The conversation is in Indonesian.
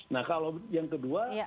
nah kalau yang kedua